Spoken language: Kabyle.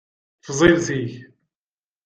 Ffeẓ iles-ik!